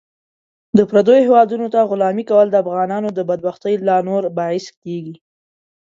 د پردیو هیوادونو ته غلامي کول د افغانانو د بدبختۍ لا نور باعث کیږي .